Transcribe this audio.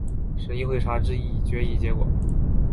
审查会议之议决结果